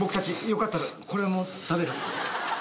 よかったらこれも食べる？